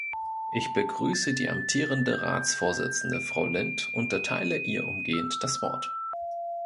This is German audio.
Ich begrüße die amtierende Ratsvorsitzende, Frau Lindh, und erteile ihr umgehend das Wort.